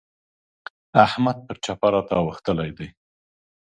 احمد پر چپه راته اوښتلی دی.